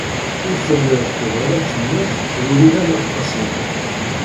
Ur telliḍ tebɣiḍ ad temmet Wrida n At Qasi Muḥ.